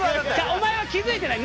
お前は気づいてない。